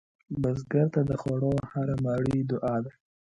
بزګر ته د خوړو هره مړۍ دعا ده